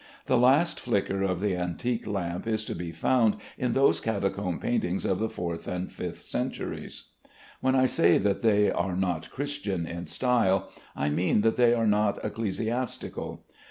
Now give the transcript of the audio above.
The last flicker of the antique lamp is to be found in those catacomb paintings of the fourth and fifth centuries. When I say that they are not Christian in style, I mean that they are not ecclesiastical.